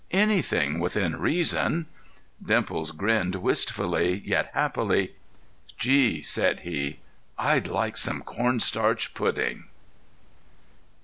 _'" "Anything within reason." Dimples grinned wistfully, yet happily. "Gee!" said he. "I'd like some cornstarch pudding."